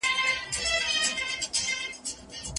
د مالونو په خرڅلاو کي لږه ګټه وشوه.